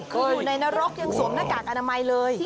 คืออยู่ในนรกยังสวมหน้ากากอนามัยเลย